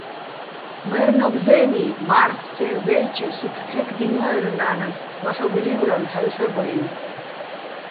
მაჲრნობ დე́ნი, მა́რხო̆ ცე́რ დაჲლ'ჩე სუფრ ქჵექდინო́ერ ნა́ნას, ვაჰ̦ოგო̆ ლი́ვრალო̆, ჰ̦ალო̆ ჰ̦ობ-აჲნო̆.